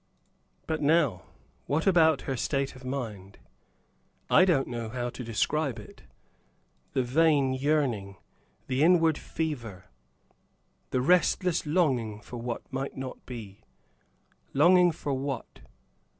But now, about her state of mind? I don't know how to describe it; the vain yearning, the inward fever, the restless longing for what might not be. Longing for what?